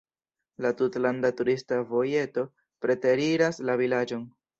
La tutlanda turista vojeto preteriras la vilaĝon.